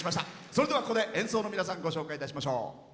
それでは、ここで演奏の皆さんご紹介いたしましょう。